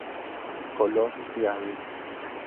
Colón y Av.